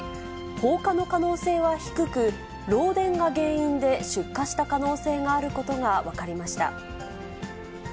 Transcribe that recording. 放火の可能性は低く、漏電が原因で出火した可能性があることが分かりました。